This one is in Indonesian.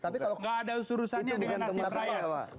tidak ada urusannya dengan nasib rakyat